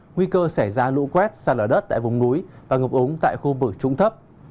nguy cơ xảy ra lũ quét xa lở đất tại vùng núi và ngập ống tại khu vực trung thấp